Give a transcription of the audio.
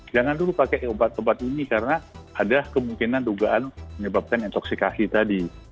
jangan dulu pakai obat obat ini karena ada kemungkinan dugaan menyebabkan intoksikasi tadi